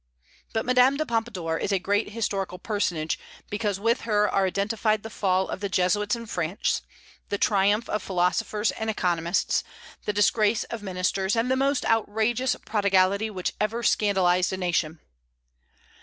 But Madame de Pompadour is a great historical personage, because with her are identified the fall of the Jesuits in France, the triumph of philosophers and economists, the disgrace of ministers, and the most outrageous prodigality which ever scandalized a nation.